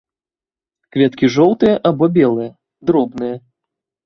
Кветкі жоўтыя або белыя, дробныя.